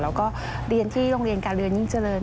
แล้วก็เรียนที่โรงเรียนการเรียนยิ่งเจริญ